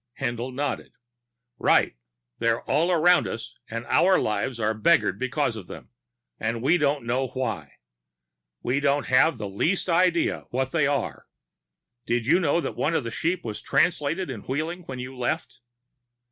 Haendl nodded. "Right. They're all around us and our lives are beggared because of them. And we don't even know why. We don't have the least idea of what they are. Did you know that one of the sheep was Translated in Wheeling when you left?"